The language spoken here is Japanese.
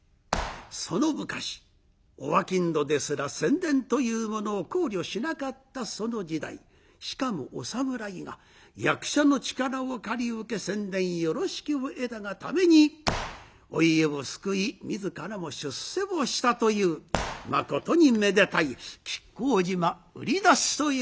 その昔お商人ですら宣伝というものを考慮しなかったその時代しかもお侍が役者の力を借り受け宣伝よろしきを得たがためにお家を救い自らも出世をしたというまことにめでたい「亀甲縞売出し」という一席